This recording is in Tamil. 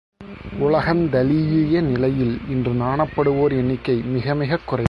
உலகந்தழீஇய நிலையில் இன்று நாணப்படுவோர் எண்ணிக்கை மிகமிகக் குறைவு.